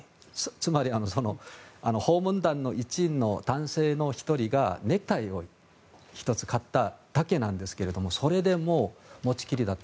つまり訪問団の一員の男性の１人がネクタイを１つ買っただけなんですけどそれでもう持ちきりだった。